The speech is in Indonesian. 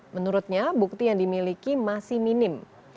menurutnya bukti yang dimiliki masih minim